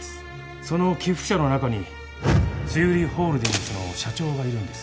その寄付者の中に栗花落ホールディングスの社長がいるんです。